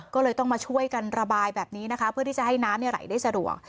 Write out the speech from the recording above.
ก็เลยต้องมาช่วยกันระบายแบบนี้นะคะเพื่อที่จะให้น้ำไหลได้สะดวก